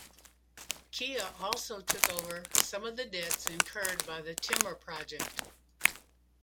Kia also took over some of the debts incurred by the Timor project.